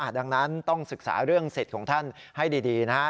ดังนั้นต้องศึกษาเรื่องสิทธิ์ของท่านให้ดีนะฮะ